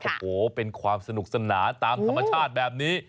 โอ้โหเป็นความสนุกสนานตามธรรมชาติแบบนี้